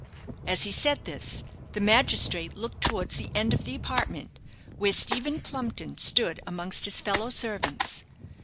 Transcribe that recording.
As he said this, the magistrate looked towards the end of the apartment, where Stephen Plumpton stood amongst his fellow servants.